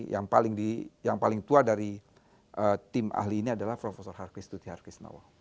yang paling tua dari tim ahli ini adalah prof harkis dutihar kisnawo